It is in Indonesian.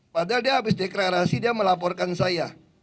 padahal dia habis deklarasi dia melaporkan saya